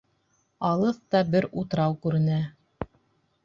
Алыҫта бер утрау күренә.